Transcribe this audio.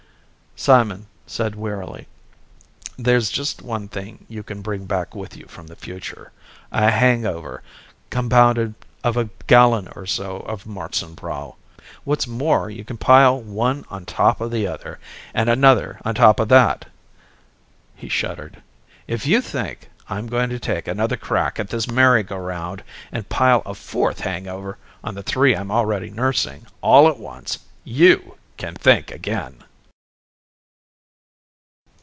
Simon said wearily, "There's just one thing you can bring back with you from the future, a hangover compounded of a gallon or so of Marzenbräu. What's more you can pile one on top of the other, and another on top of that!" He shuddered. "If you think I'm going to take another crack at this merry go round and pile a fourth hangover on the three I'm already nursing, all at once, you can think again."